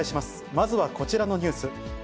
まずはこちらのニュース。